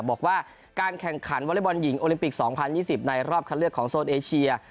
บอกว่าการแข่งขันวอเล็กบอลหญิงโอลิมปิก๒๐๒๐ในรอบคันเลือกของโซนเอเชีย